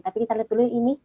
tapi kita lihat dulu ini